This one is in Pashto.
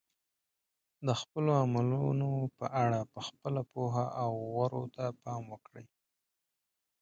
د خپلو عملونو په اړه په خپله پوهه او غورو ته پام وکړئ.